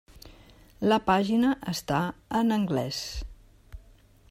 La pàgina està en anglès.